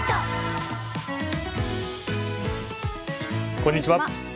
こんにちは。